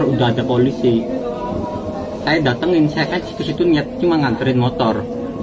masa kak sudah ada polisi saya datangin saya kan ke situ cuma ngantret motor